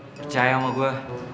percaya ama gue